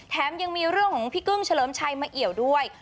ยังมีเรื่องของพี่กึ้งเฉลิมชัยมาเอี่ยวด้วย